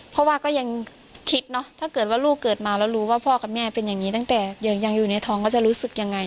เพราะว่าก็ยังคิดเนอะถ้าเกิดว่าลูกเกิดมาแล้วรู้ว่าพ่อกับแม่เป็นอย่างนี้ตั้งแต่ยังอยู่ในท้องก็จะรู้สึกยังไง